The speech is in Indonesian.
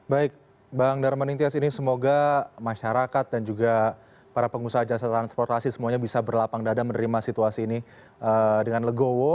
baik bang darman intias ini semoga masyarakat dan juga para pengusaha jasa transportasi semuanya bisa berlapang dada menerima situasi ini dengan legowo